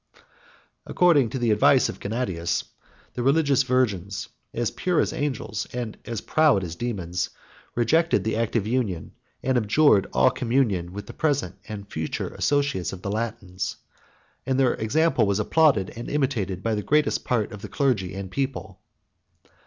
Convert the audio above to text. According to the advice of Gennadius, the religious virgins, as pure as angels, and as proud as dæmons, rejected the act of union, and abjured all communion with the present and future associates of the Latins; and their example was applauded and imitated by the greatest part of the clergy and people.